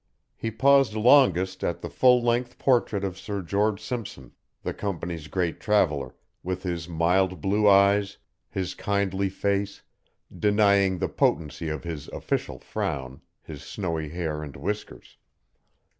He paused longest at the full length portrait of Sir George Simpson, the Company's great traveller, with his mild blue eyes, his kindly face, denying the potency of his official frown, his snowy hair and whiskers.